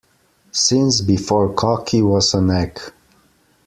Since before cocky was an egg.